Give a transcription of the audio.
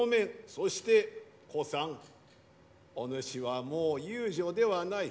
そして小さんお主はもう遊女ではない。